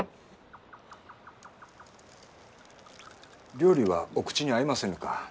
料理はお口に合いませぬか？